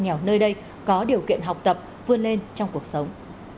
nghèo nơi đây có điều kiện học tập vươn lên trong cuộc sống